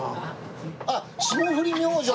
あっ霜降り明星！